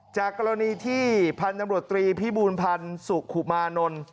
จากกรณีที่พันธุ์ตำรวจตรีพิบูลพันธ์สุขุมานนท์